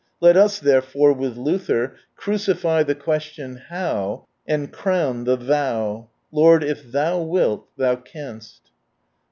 Let us, therefore, with Luther, crucify the question Hov!, and crown the Thou —" Lord if Thou wilt, Thou canst